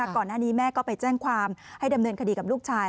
ก่อนหน้านี้แม่ก็ไปแจ้งความให้ดำเนินคดีกับลูกชาย